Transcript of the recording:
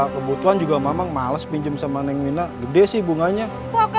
kebutuhan juga memang males pinjam sama neng wina gede sih bunganya pokoknya